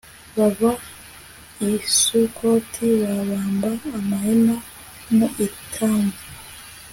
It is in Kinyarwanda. bava i sukoti, babamba amahema mu etamu